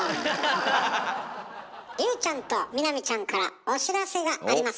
隆ちゃんと美波ちゃんからお知らせがあります！